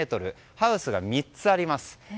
ハウスが３つあります。